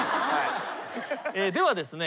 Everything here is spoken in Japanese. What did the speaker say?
ではですね